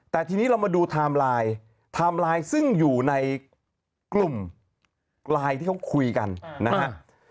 แต่ทีนี้เรามาดูไทม์ไลน์ไทม์ไลน์ซึ่งอยู่ในกลุ่มไลน์ที่เขาคุยกันนะฮะ